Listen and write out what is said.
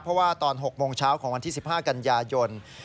เพราะว่าตอน๖โมงเช้าของวันที่๑๕กันยายน